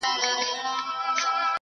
ســتا لپـــاره خــــو دعـــــا كـــــړم.